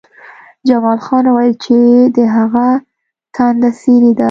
جمال خان وویل چې د هغه ټنډه څیرې ده